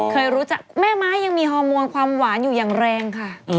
เคยรู้จักแม่ไม้ยังมีฮอร์โมนความหวานอยู่อย่างแรงค่ะ